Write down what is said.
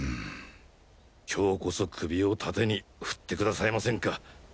今日こそ首を縦に振ってくださいませんか？